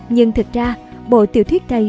nhưng thật ra bộ tiểu thuyết này